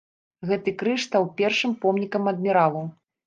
Гэты крыж стаў першым помнікам адміралу.